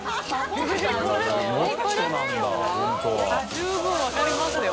十分分かりますよ。